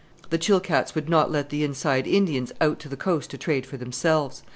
The Chilkats would not let the inside Indians out to the coast to trade for themselves.